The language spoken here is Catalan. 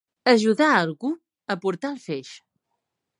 Ajudar algú a portar el feix.